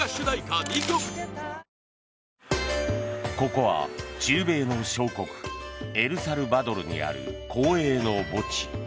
ここは中米の小国エルサルバドルにある公営の墓地。